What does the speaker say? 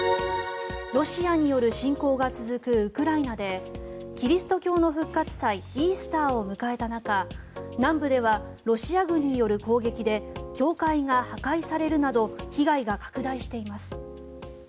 ロシアによる侵攻が続くウクライナでキリスト教の復活祭イースターを迎えた中南部ではロシア軍による攻撃で教会が破壊されるなど被害が拡大しています。